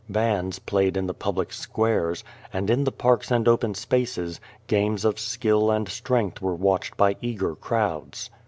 Bands played in the public squares ; and, in the parks and open spaces, games of skill and strength were watched by eager crowds.